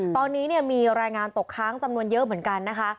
ตอนนี้มีรายงานตกค้างจำนวนเยอะเหมือนกันนะคะ